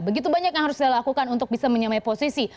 begitu banyak yang harus dilakukan untuk bisa menyamai posisi